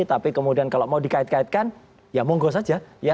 tapi kemudian kalau mau dikait kaitkan ya monggo saja